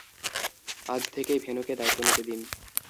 আজ থেকেই ভেনুকে দায়িত্ব নিতে দিন।